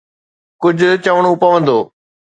ڪجهه چوڻو پوندو.